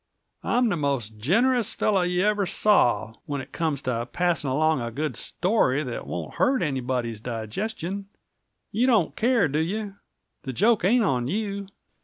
I'm the most generous fellow you ever saw, when it comes to passing along a good story that won't hurt anybody's digestion. You don't care, do you? The joke ain't on you."